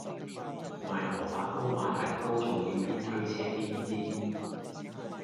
賣蘿蔔糕馬蹄糕仲要邊推車邊煎